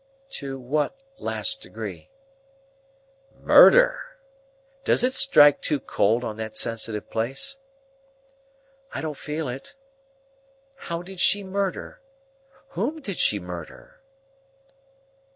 "To what last degree?" "Murder.—Does it strike too cold on that sensitive place?" "I don't feel it. How did she murder? Whom did she murder?"